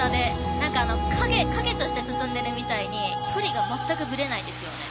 なんか、影として進んでいるみたいに距離が全くぶれないですよね。